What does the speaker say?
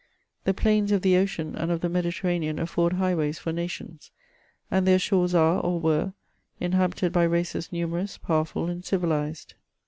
The plains of the ocean and of the Mediterranean afford highways for nations, and their shores are, or were, inhabited by races numerous, powerful, and civilised.